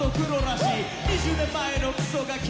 「２０年前のクソガキ